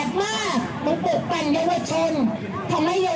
กูเจอมึงคุดกดหน้ามึง